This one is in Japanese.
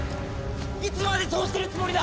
いつまでそうしてるつもりだ！